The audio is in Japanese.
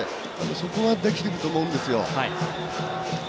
そこはできていると思うんですよ。